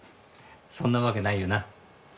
そんなわけないよな。